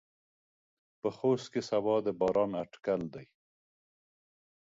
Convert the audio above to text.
په خوست کې سباته د باران اټکل دى.